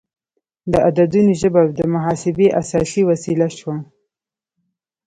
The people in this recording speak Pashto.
د عددونو ژبه د محاسبې اساسي وسیله شوه.